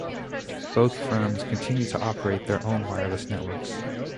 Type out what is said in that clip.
Both firms continue to operate their own wireless networks.